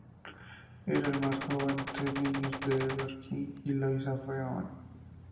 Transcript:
Era el más joven de tres niños de Edward King y Louisa Freeman.